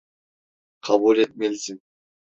Kabul etmelisin.